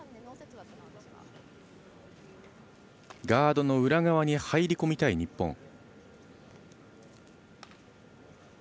ガードの裏側に入り込みたい日本。